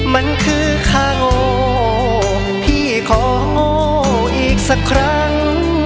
มันคือเขาพี่ขอโง่อีกสักครั้ง